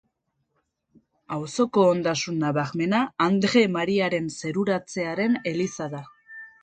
Auzoko ondasun nabarmena, Andre Mariaren Zeruratzearen eliza da.